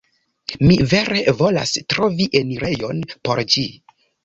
Mi vere volas trovi enirejon por ĝi